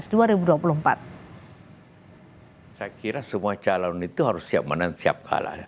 saya kira semua calon itu harus siap menang siap kalah